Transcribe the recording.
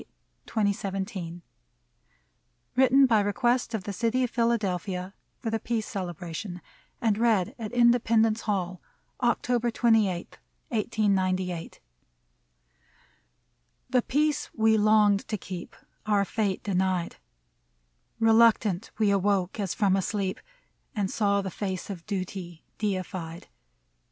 162 MEMORIAL ODE Written by regttesi of the City of Philadelphia for the Peace Celebra tion and read at Independence Hall, October 28, i8q8. '' I ^HE peace we longed to keep Our fate denied ; Reluctant we awoke, as from a sleep, And saw the face of Duty deified.